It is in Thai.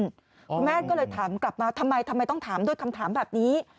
คุณแม่ก็เลยถามกลับมาทำไมทำไมต้องถามด้วยคำถามแบบนี้